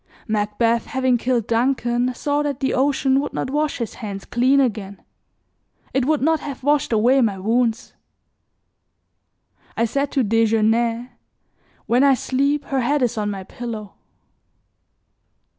Macbeth having killed Duncan saw that the ocean would not wash his hands clean again; it would not have washed away my wounds. I said to Desgenais: "When I sleep, her head is on my pillow."